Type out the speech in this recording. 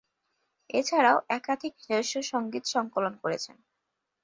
এছাড়াও একাধিক নিজস্ব সঙ্গীত সংকলন করেছেন।